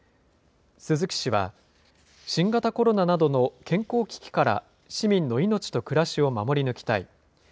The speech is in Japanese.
鈴木氏は、新型コロナなどの健康危機から市民の命と暮らしを守り抜きたい。